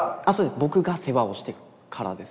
僕が世話をしてるからです。